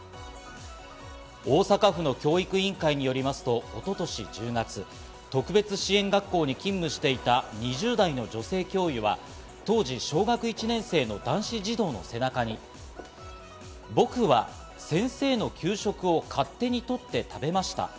大阪府の教育委員会によりますと一昨年１０月、特別支援学校に勤務していた２０代の女性教諭は当時、小学１年生の男子児童の背中に、「ぼくは先生の給食を勝手に取って食べました。